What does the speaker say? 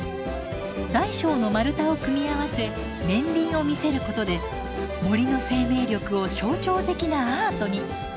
大小の丸太を組み合わせ年輪を見せることで森の生命力を象徴的なアートに。